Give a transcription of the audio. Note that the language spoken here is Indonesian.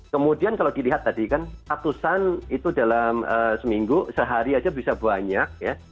kemudian kalau dilihat tadi kan ratusan itu dalam seminggu sehari aja bisa banyak ya